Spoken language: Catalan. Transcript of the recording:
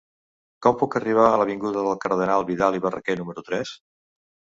Com puc arribar a l'avinguda del Cardenal Vidal i Barraquer número tres?